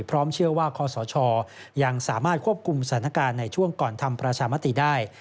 พร้อมเชื่อว่าคอสชยังสามารถควบคุมสถานการณ์ในช่วงก่อนทำประชามติได้